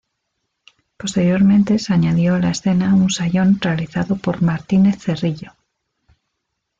Posteriormente se añadió a la escena un sayón realizado por Martínez Cerrillo.